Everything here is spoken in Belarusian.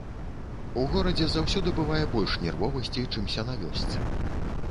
У горадзе заўсёды бывае больш нервовасці, чымся на вёсцы.